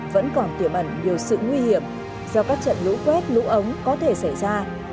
vẫn còn tiềm ẩn nhiều sự nguy hiểm do các trận lũ quét lũ ống có thể xảy ra